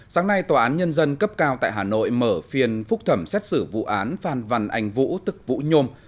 sáng nay tòa án nhân dân cấp cao tại hà nội mở phiên phúc thẩm xét xử vụ án phan văn anh vũ tức vũ nhôm